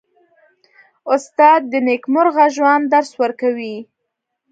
استاد د نېکمرغه ژوند درس ورکوي.